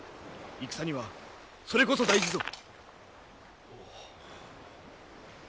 戦にはそれこそ大事ぞ。